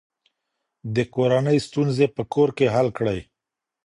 د کورنۍ ستونزې په کور کې حل کړئ.